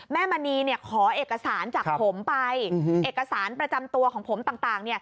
มณีขอเอกสารจากผมไปเอกสารประจำตัวของผมต่าง